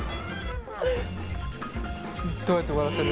どうやって終わらせる？